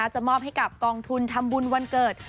จะมอบให้กับกองทุนทำบุญวันเกิด